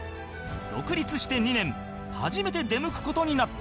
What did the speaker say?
独立して２年初めて出向く事になった